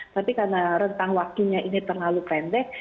tapi karena rentang waktunya ini terlalu pendek